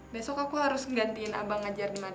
besok aku harus ngegantiin abang ngajar di madrasah kan